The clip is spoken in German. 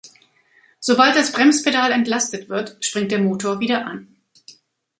Sobald das Bremspedal entlastet wird, springt der Motor wieder an.